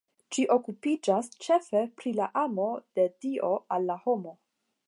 Ĝi okupiĝas ĉefe pri la amo de Dio al la homo.